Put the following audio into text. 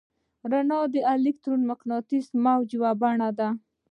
رڼا د الکترومقناطیسي موج یوه بڼه ده.